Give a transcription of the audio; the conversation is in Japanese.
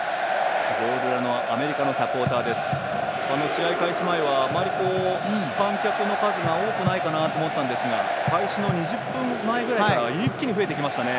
試合開始前はあまり観客の数が多くないかなと思ったんですが開始の２０分前ぐらいから一気に増えてきました。